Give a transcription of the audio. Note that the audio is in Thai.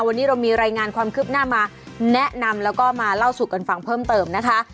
วันนี้เรามีรายงานความคืบหน้ามาแนะนำแล้วก็มาเล่าสู่กันฟังเพิ่มเติมนะคะ